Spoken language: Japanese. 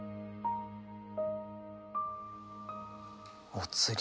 お釣り。